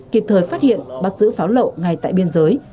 kịp thời phát hiện bắt giữ pháo lậu ngay tại biên giới